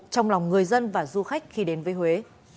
trong lòng người dân và du khách khi đến với huế